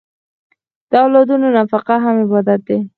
د اولادونو نفقه هم عبادت دی.